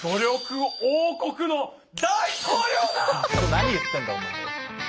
何言ってんだお前は！